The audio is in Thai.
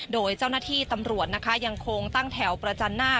โดยเจ้าหน้าที่ตำรวจนะคะยังคงตั้งแถวประจันหน้า